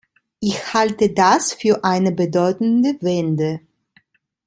Ich halte das für eine bedeutende Wende.